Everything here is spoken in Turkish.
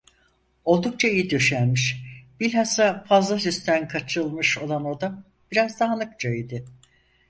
Oldukça iyi döşenmiş, bilhassa fazla süsten kaçılmış olan oda biraz dağınıkça idi.